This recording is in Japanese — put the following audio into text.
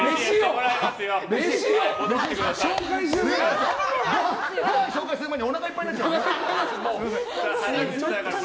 ごはん紹介する前におなかいっぱいなっちゃうね。